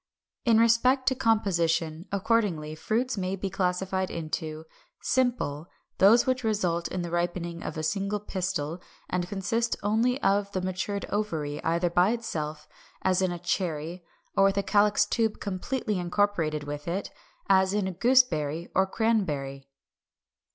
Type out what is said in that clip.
348. In respect to composition, accordingly, fruits may be classified into Simple, those which result from the ripening of a single pistil, and consist only of the matured ovary, either by itself, as in a cherry, or with calyx tube completely incorporated with it, as in a gooseberry or cranberry.